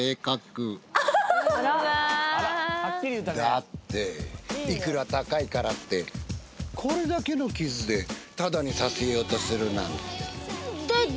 だっていくら高いからってこれだけの傷でタダにさせようとするなんて。